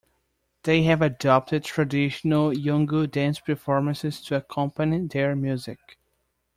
They have adapted traditional Yolngu dance performances to accompany their music.